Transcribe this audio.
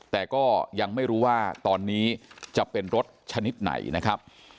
แต่ก็ยังไม่รู้ว่าตอนนี้จะเป็นรถชนิดไหนนะครับ